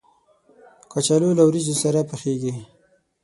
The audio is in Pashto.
کچالو له وریجو سره پخېږي